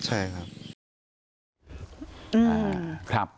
ใช่ครับ